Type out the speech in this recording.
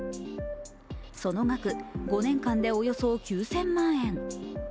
その額、５年間でおよそ９０００万円。